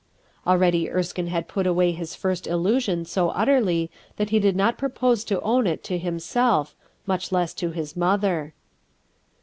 Already Erskine had put away his first illusion so utterly that he did not propose to own it to himself, much less to his mother.